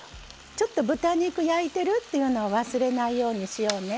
ちょっと豚肉焼いてるっていうのを忘れないようにしようね。